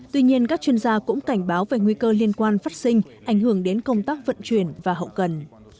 tuy nhiên các chuyên gia cũng cảnh báo về nguy cơ liên quan phát sinh ảnh hưởng đến công tác vận chuyển và hậu cần